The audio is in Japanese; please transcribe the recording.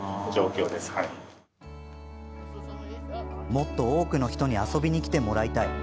もっと多くの人に遊びに来てもらいたい。